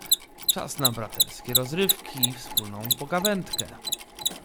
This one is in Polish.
"Czas na braterskie rozrywki i wspólną pogawędkę."